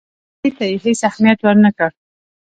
دې ته یې هېڅ اهمیت ورنه کړ.